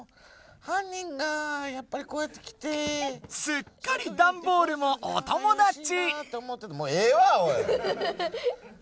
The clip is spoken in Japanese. すっかりダンボールもお友だち！